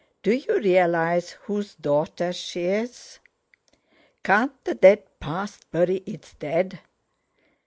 "Do you realise whose daughter she is?" "Can't the dead past bury its dead?"